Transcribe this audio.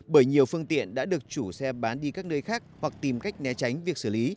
bởi nhiều phương tiện đã được chủ xe bán đi các nơi khác hoặc tìm cách né tránh việc xử lý